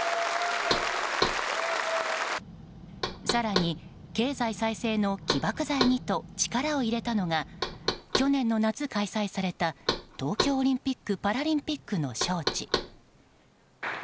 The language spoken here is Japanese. さらに経済再生の起爆剤にと力を入れたのが去年の夏、開催された東京オリンピック・パラリンピックの招致。